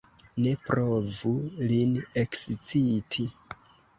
Ne provu lin eksciti!